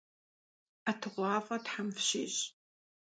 ӀэтыгъуафӀэ тхьэм фщищӀ.